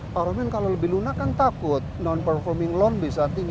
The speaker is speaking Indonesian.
pak romin kalau lebih lunak kan takut non performing loan bisa tinggi